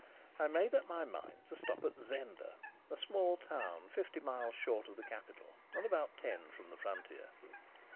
I made up my mind to stop at Zenda, a small town fifty miles short of the capital, and about ten from the frontier.